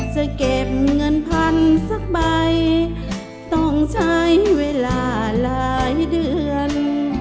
จะเก็บเงินพันสักใบต้องใช้เวลาหลายเดือน